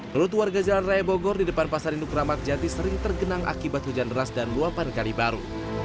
kelut warga jalan raya bogor di depan pasar induk ramadjati sering tergenang akibat hujan deras dan luapan kalibaru